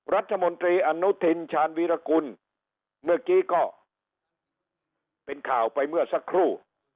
รัฐมนตรีอนุทินชาญวีรกุลเมื่อกี้ก็เป็นข่าวไปเมื่อสักครู่